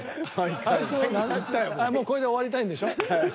あいつもうこれで終わりたいんでしょ？